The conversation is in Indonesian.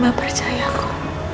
mbak percaya aku